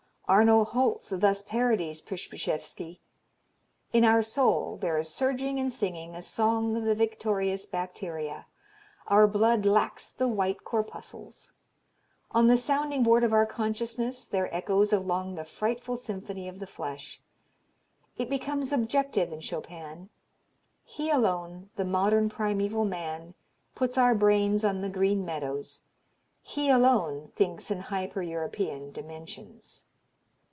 Arno Holz thus parodies Przybyszewski: "In our soul there is surging and singing a song of the victorious bacteria. Our blood lacks the white corpuscles. On the sounding board of our consciousness there echoes along the frightful symphony of the flesh. It becomes objective in Chopin; he alone, the modern primeval man, puts our brains on the green meadows, he alone thinks in hyper European dimensions.